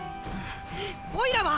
おいらは！